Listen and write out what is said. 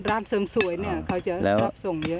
ร้านเสริมสวยเนี่ยเขาจะชอบส่งเยอะ